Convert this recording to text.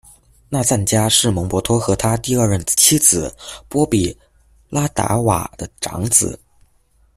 纳赞加是蒙博托和他第二任妻子波比·拉达瓦的长子。